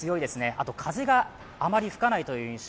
それから風があまり吹かないという印象。